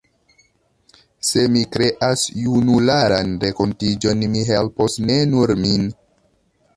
Se mi kreas junularan renkontiĝon, mi helpos ne nur min.